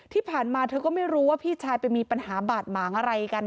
ที่ผ่านมาเธอก็ไม่รู้ว่าพี่ชายไปมีปัญหาบาดหมางอะไรกัน